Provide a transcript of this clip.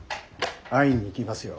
会いに行きますよ。